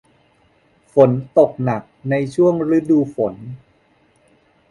ฝนตกหนักในช่วงฤดูฝน